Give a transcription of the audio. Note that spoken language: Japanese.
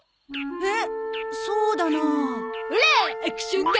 えっ？